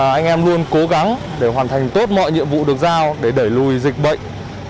anh em luôn cố gắng để hoàn thành tốt mọi nhiệm vụ được giao để đẩy lùi dịch bệnh